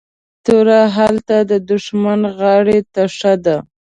توره هلته ددښمن غاړي ته ښه ده